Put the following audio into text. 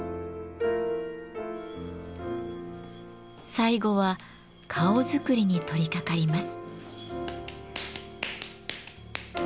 最後は顔づくりに取りかかります。